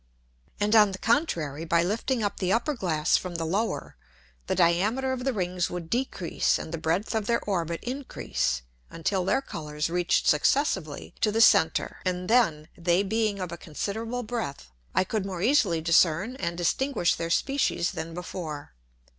And, on the contrary, by lifting up the upper Glass from the lower, the diameter of the Rings would decrease, and the breadth of their Orbit increase, until their Colours reached successively to the center; and then they being of a considerable breadth, I could more easily discern and distinguish their Species than before.